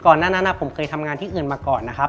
หน้านั้นผมเคยทำงานที่อื่นมาก่อนนะครับ